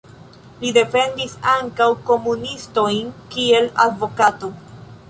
Li defendis ankaŭ komunistojn kiel advokato.